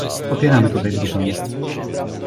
Popieramy tutaj grupę